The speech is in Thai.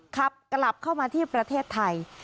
ขับกลับเข้ามาที่ประเทศไทย